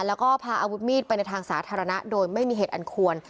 แล้วก็พาอาวุธมีดไปในทางสาธารณะโดยไม่มีเหตุอันควร